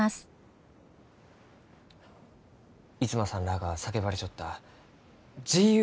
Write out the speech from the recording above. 逸馬さんらあが叫ばれちょった「自由」